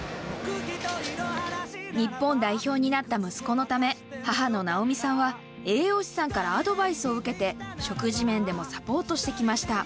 日本代表になった息子のため、母の直美さんは栄養士さんからアドバイスを受けて、食事面でもサ結構ありました。